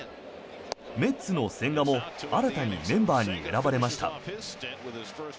メッツの千賀も新たにメンバーに選ばれました。